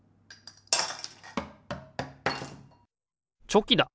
チョキだ！